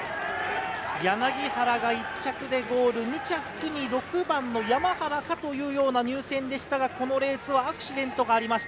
柳原が１着でゴール、２着に６番の山原かというような入線でしたが、このレースはアクシデントがありました。